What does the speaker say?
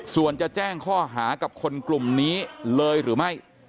ส่วนจะแจ้งข้อหากับคนกลุ่มนี้เลยหรือไม่